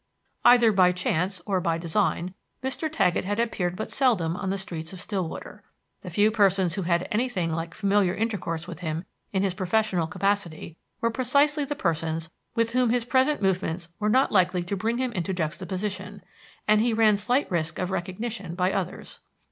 Either by chance or by design, Mr. Taggett had appeared but seldom on the streets of Stillwater; the few persons who had had anything like familiar intercourse with him in his professional capacity were precisely the persons with whom his present movements were not likely to bring him into juxtaposition, and he ran slight risk of recognition by others.